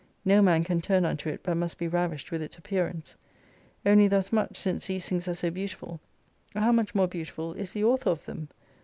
No man can turn unto it, but must be ravished with its appearance. Only thus much, since these things are so beautiful, how much more beautiful is the author of them